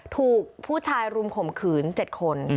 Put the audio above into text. ถูกผู้ชายรุมข่มขืน๗คน